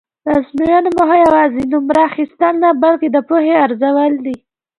د ازموینو موخه یوازې نومره اخیستل نه بلکې د پوهې ارزول دي.